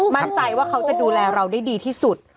มั่นใจว่าเขาจะดูแลเราได้ดีที่สุด